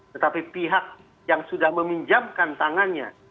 tetapi pihak yang sudah meminjamkan tangannya